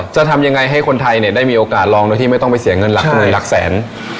จะทำยังไงให้คนไทยเนี่ยได้มีโอกาสลองโดยที่ไม่ต้องไปเสียเงินหลักเลยหลักแสน